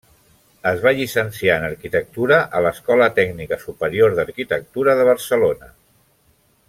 Es va llicenciar en arquitectura a l'Escola Tècnica Superior d'Arquitectura de Barcelona.